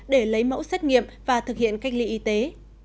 để lấy mẫu xét nghiệm và thực hiện cách ly y tế